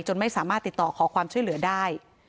ไม่สามารถติดต่อขอความช่วยเหลือได้